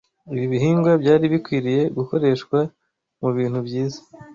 Ibi bihingwa byari bikwiriye gukoreshwa mu bintu byiza,